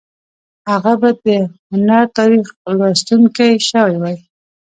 هغه به د هنر تاریخ لوستونکی شوی وای